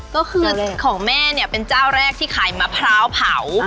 ก็คือของแม่เนี่ยเป็นเจ้าแรกที่ขายมะพร้าวเผา